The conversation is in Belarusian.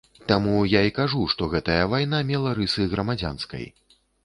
Таму я і кажу, што гэтая вайна мела рысы грамадзянскай.